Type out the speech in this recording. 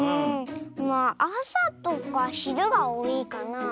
まああさとかひるがおおいかな。